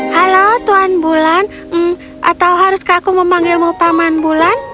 halo tuan bulan atau haruskah aku memanggilmu paman bulan